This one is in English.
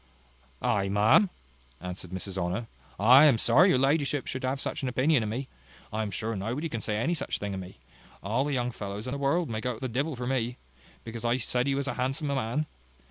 "I, ma'am!" answered Mrs Honour, "I am sorry your ladyship should have such an opinion of me. I am sure nobody can say any such thing of me. All the young fellows in the world may go to the divil for me. Because I said he was a handsome man?